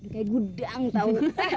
kayak gudang tau